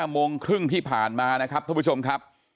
โมงครึ่งที่ผ่านมานะครับท่านผู้ชมครับ